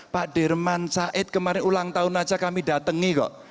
pak dirman said kemarin ulang tahun aja kami datangi kok